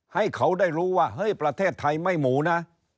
ให้เขาได้รู้ว่าเฮ้ยประเทศไทยไม่หมูนะ